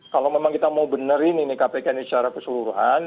kalau memang kita mau benerin ini kpk ini secara keseluruhan